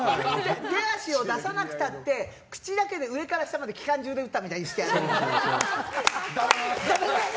手足を出さなくたって口だけで上から下まで機関銃で撃ったみたいにしてやる。